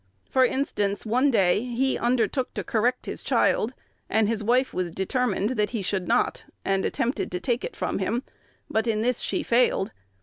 For instance: one day he undertook to correct his child, and his wife was determined that he should not, and attempted to take it from him; but in this she failed.